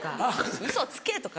「ウソつけ！」とか。